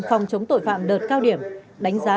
phòng chống tội phạm đợt cao điểm đánh giá